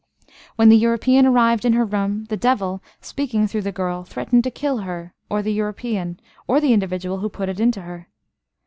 When the European arrived in her room, the devil, speaking through the girl, threatened to kill her, or the European, or the individual who put it into her.